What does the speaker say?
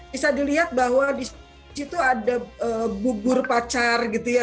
bisa dilihat bahwa disitu ada bugur pacar gitu ya